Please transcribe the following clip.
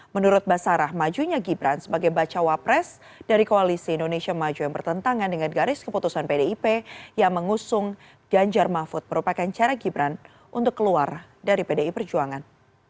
menurut basarah majunya gibran sebagai bacawa pres dari koalisi indonesia maju yang bertentangan dengan garis keputusan pdip yang mengusung ganjar mahfud merupakan cara gibran untuk keluar dari pdi perjuangan